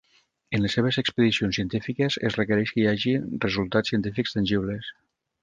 En les seves expedicions científiques es requereix que hi hagi resultats científics tangibles.